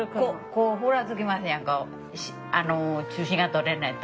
こうふらつきますやんか中心がとれないと。